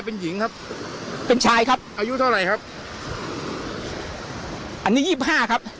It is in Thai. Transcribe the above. เป็นหญิงครับเป็นชายครับอายุเท่าไหร่ครับอันนี้ยี่สิบห้าครับ